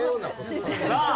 さあ。